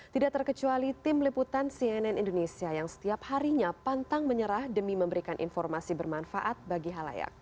tidak terkecuali tim liputan cnn indonesia yang setiap harinya pantang menyerah demi memberikan informasi bermanfaat bagi halayak